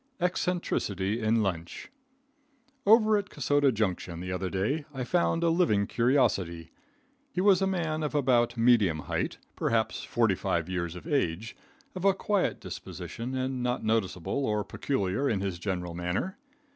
Eccentricity in Lunch. Over at Kasota Junction, the other day, I found a living curiosity. He was a man of about medium height, perhaps 45 years of age, of a quiet disposition, and not noticeable or peculiar in his general manner.